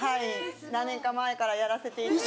何年か前からやらせていただいて。